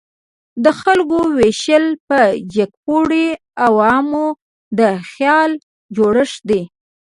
د خلکو ویشل په جګپوړو او عوامو د خیال جوړښت دی.